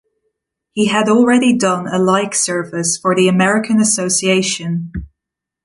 He had already done a like service for the American Association.